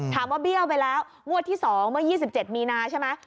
เบี้ยวไปแล้วงวดที่๒เมื่อ๒๗มีนาใช่ไหม